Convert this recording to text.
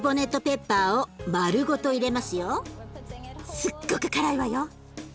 すっごく辛いわよ。